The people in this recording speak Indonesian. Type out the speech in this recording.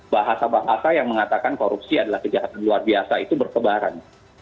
bahasa bahasa yang mengatakan korupsi adalah kejahatan luar biasa itu berkebaran